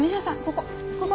ここ。